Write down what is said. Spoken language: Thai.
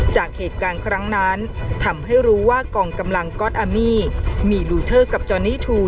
จากเหตุการณ์ครั้งนั้นทำให้รู้ว่ากองกำลังก๊อตอามี่มีลูเทอร์กับจอนี่ทู